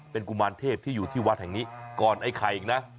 เป็นกุมารเทพที่อยู่ที่วัดแห่งนี้ก่อนไอ้ไข่อีกนะ